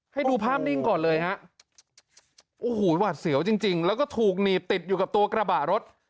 ให้ดูภาพนิ่งก่อนเลยฮะโอ้โหหวาดเสียวจริงจริงแล้วก็ถูกหนีบติดอยู่กับตัวกระบะรถ